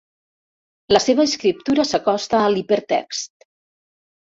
La seva escriptura s'acosta a l'hipertext.